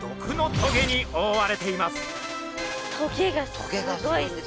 棘がすごいっす。